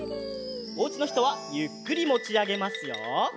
おうちのひとはゆっくりもちあげますよ。